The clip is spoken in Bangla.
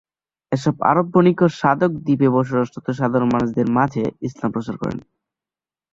এসব আরব বণিক ও সাধক দ্বীপে বসবাসরত সাধারণ মানুষদের মাঝে ইসলাম প্রচার করেন।